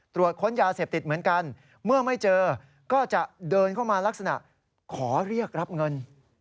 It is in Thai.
ตรวจค้นยาเสพติดเหมือนกันเมื่อไม่เจอก็จะเดินเข้ามาลักษณะขอเรียกรับเงิน